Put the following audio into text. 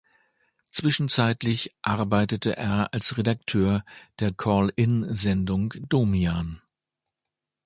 Zwischenzeitlich arbeitete er als Redakteur der Call-in-Sendung "Domian".